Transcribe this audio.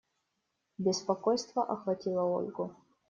Беспокойство охватило Ольгу.